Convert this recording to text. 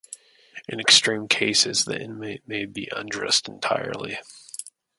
In extreme cases the inmate may be undressed entirely.